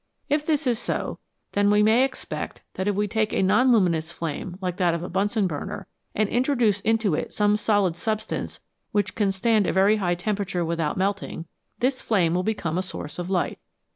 If this is so, then we may expect that if we take a non luminous flame like that of a Bunsen burner, and introduce into it some solid substance which can stand a very high temperature without melting, this flame will become a source of light.